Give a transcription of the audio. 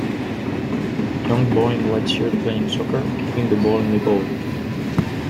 Young boy in white shirt playing soccer, kicking the ball in the goal.